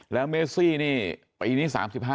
และเมซีนี่ปีนี้๓๕อายุนะ